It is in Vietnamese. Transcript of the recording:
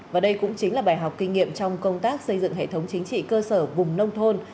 và đây cũng chính là bài học kinh nghiệm trong công tác xây dựng hệ thống chính trị cơ sở vùng nông thôn